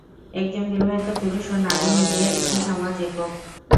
একজন বিবাহিত পুরুষ ও নারী মিলিয়ে একটি সমাজ একক।